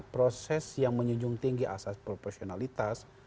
proses yang menjunjung tinggi asas proporsionalitas